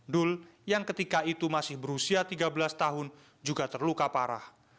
dul yang ketika itu masih berusia tiga belas tahun juga terluka parah